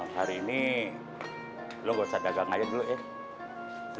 hari ini lo gosot dagang aja dulu ya